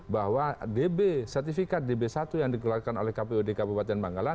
bahwa db sertifikat db satu yang dikeluarkan oleh kpud kabupaten bangkalan